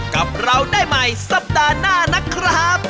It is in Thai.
กับเราได้ใหม่สัปดาห์หน้านะครับ